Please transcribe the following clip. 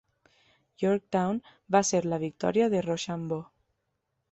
Yorktown va ser la victòria de Rochambeau.